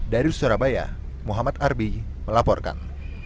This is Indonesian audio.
dari surabaya muhammad arbi melaporkan